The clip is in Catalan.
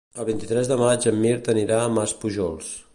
El vint-i-tres de maig en Mirt anirà a Maspujols.